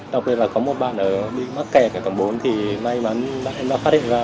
đặc biệt là có một bạn ở bị mắc kè ở cái tầng bốn thì may mắn em đã phát hiện ra